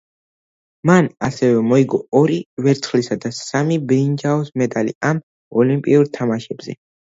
მან ასევე მოიგო ორი ვერცხლისა და სამი ბრინჯაოს მედალი ამ ოლიმპიურ თამაშებზე.